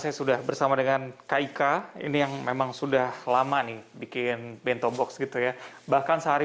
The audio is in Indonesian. saya sudah bersama dengan kak ika ini yang memang sudah lama nih bikin bento box gitu ya bahkan sehari